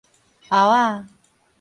後仔